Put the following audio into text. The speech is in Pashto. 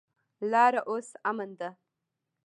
لاره اوس امن ده.